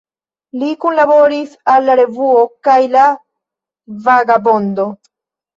Li kunlaboris al La Revuo kaj La Vagabondo.